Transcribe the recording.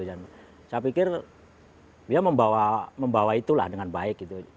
saya pikir dia membawa itulah dengan baik